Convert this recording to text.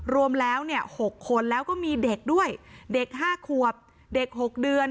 รวมแล้วเนี่ย๖คนแล้วก็มีเด็กด้วยเด็ก๕ขวบเด็ก๖เดือน